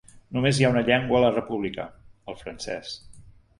Només hi ha una llengua a la república, el francès.